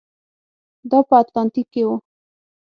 دا په اتلانتیک کې و.